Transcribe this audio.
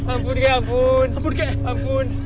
ampun kek ampun ampun kek ampun